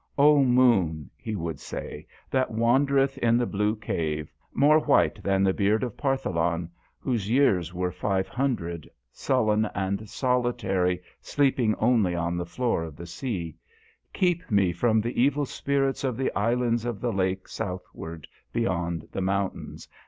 " O moon," he would say, " that wandereth in the blue cave, more white than the beard of Partholan, whose years were five hundred, sullen and solitary, sleeping only on the floor of the sea : keep me from the evil spirits of the islands of the lake southward beyond the mountains, DHOYA.